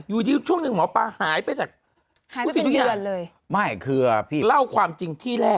จะอยู่ดิมอปาหายจากไม่ไม่คือเครือพี่เล่าความจริงที่แรก